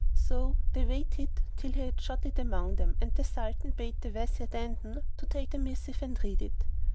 So they waited till he had shot it among them; and the Sultan bade the Wazir Dandan take the missive and read it.